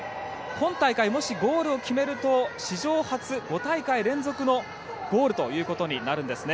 今大会、もしゴールを決めると史上初、５大会連続のゴールということになるんです。